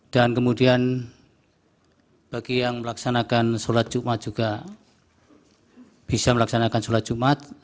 dan kemudian bagi yang melaksanakan sholat jumat juga bisa melaksanakan sholat jumat